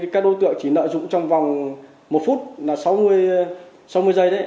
các đối tượng chỉ nợ dụng trong vòng một phút là sáu mươi giây đấy